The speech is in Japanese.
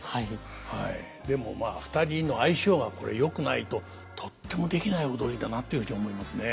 でもまあ２人の相性がこれよくないととってもできない踊りだなっていうふうに思いますね。